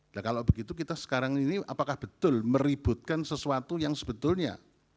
nah kalau begitu kita sekarang ini apakah betul meributkan sesuatu yang sebetulnya